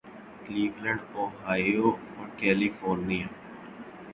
Cleveland Ohio Aruvi California